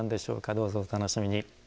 どうぞお楽しみに。